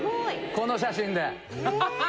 この写真で。